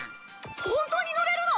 本当に乗れるの！？